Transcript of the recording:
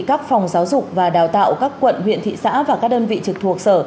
các phòng giáo dục và đào tạo các quận huyện thị xã và các đơn vị trực thuộc sở